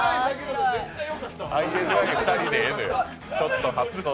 ＩＮＩの２人でいいのよ。